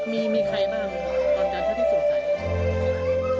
มีใครบ้างตอนนั้นถ้าที่สงสัย